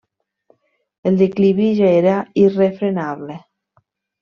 El declivi ja era irrefrenable.